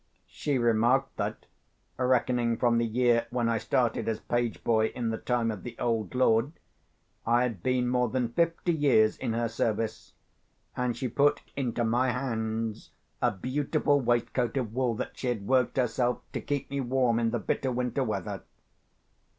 She remarked that, reckoning from the year when I started as page boy in the time of the old lord, I had been more than fifty years in her service, and she put into my hands a beautiful waistcoat of wool that she had worked herself, to keep me warm in the bitter winter weather.